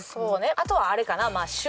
あとはあれかな。